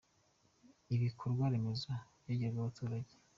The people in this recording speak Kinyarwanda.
Ibikorwa remezo byegerejwe abaturage.